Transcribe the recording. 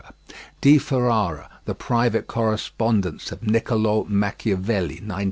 D. Ferrara, The Private Correspondence of Nicolo Machiavelli, 1929.